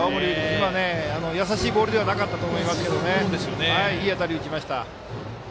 今、やさしいボールではなかったと思いますがいい当たりを打ちました。